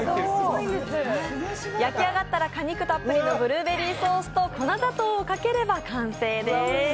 焼き上がったら果肉たっぷりのブルーベリーソースと粉砂糖をかければ完成です。